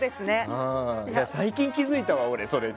最近気づいたわ俺、それに。